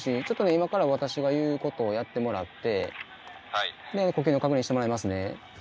今から私が言うことをやってもらってで呼吸の確認してもらいますね。